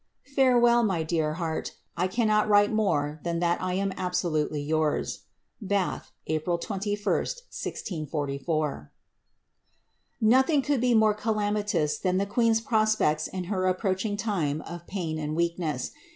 ••■ Farewell, my dear heart, I cannot write more than that I am absolutely TOUT*. ' Bathe, April 21, 1644.'' Nothing could be more calamitous than the queen^s prospects in her approaching time of pain and weakness.